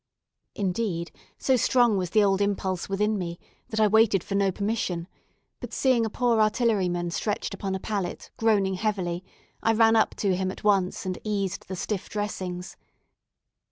Indeed, so strong was the old impulse within me, that I waited for no permission, but seeing a poor artilleryman stretched upon a pallet, groaning heavily, I ran up to him at once, and eased the stiff dressings.